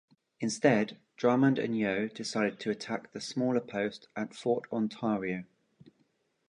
Instead, Drummond and Yeo decided to attack the smaller post at Fort Ontario.